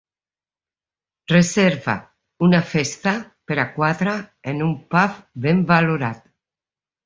reserva una festa per a quatre en un pub ben valorat